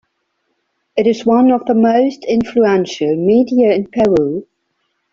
It is one of the most influential media in Peru.